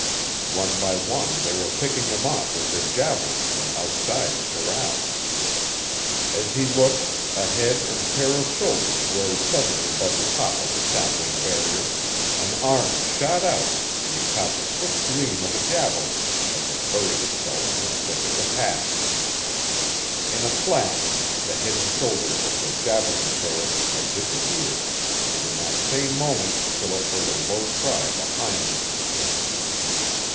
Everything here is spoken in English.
One by one they were picking them off with their javelins from outside the corral. As he looked a head and pair of shoulders rose suddenly above the top of the sapling barrier, an arm shot out and he caught the swift gleam of a javelin as it buried itself in the thick of the pack. In a flash the head and shoulders of the javelin thrower had disappeared, and in that same moment Philip heard a low cry behind him.